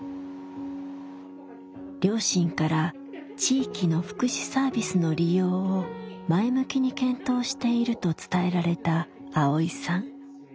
両親から地域の福祉サービスの利用を前向きに検討していると伝えられたアオイさん。